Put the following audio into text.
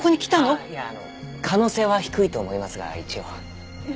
ああいやあの可能性は低いと思いますが一応。